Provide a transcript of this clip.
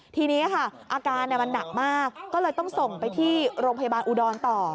ทีนี้ค่ะอาการมันหนักมากก็เลยต้องส่งไปที่โรงพยาบาลอุดรต่อ